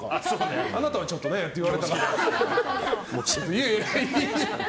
あなたはちょっとねって言われた。